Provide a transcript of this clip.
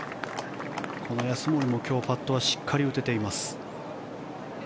この安森も今日パットはしっかり打てています。